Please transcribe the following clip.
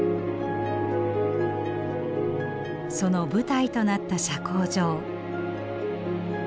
その舞台となった社交場。